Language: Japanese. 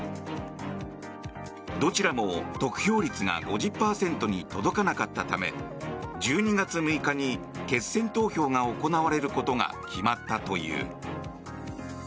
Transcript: どちらも得票率が５０％に届かなかったため１２月６日に決選投票が行われることが決まったという。